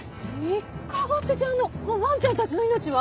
３日後ってじゃあわんちゃんたちの命は？